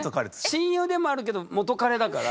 親友でもあるけど元彼だから。